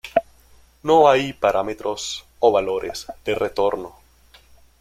No hay parámetros o valores de retorno.